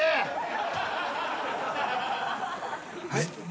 はい？